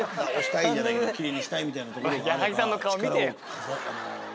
矢作さんの顔見てよ。